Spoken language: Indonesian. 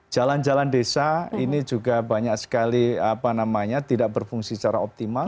jalan jalan desa ini juga banyak sekali tidak berfungsi secara optimal